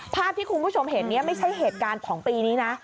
ภาพที่คุณผู้ชมเห็นเนี่ยไม่ใช่เหตุการณ์ของปีนี้นะ